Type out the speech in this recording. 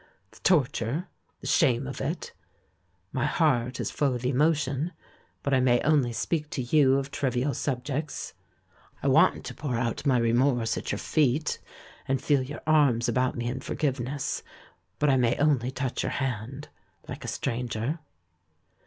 The torture, the shame of it ! My heart is full of emo tion, but I may only speak to you of trivial sub jects; I want to pour out my remorse at your feet and feel your arms about me in forgiveness, but I may only touch your hand, like a stranger.